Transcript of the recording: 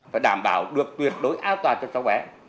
phải đảm bảo được tuyệt đối an toàn cho xã hội